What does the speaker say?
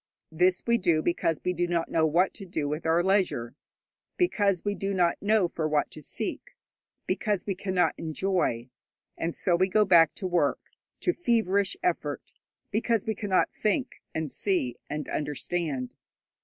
This we do because we do not know what to do with our leisure, because we do not know for what to seek, because we cannot enjoy. And so we go back to work, to feverish effort, because we cannot think, and see, and understand.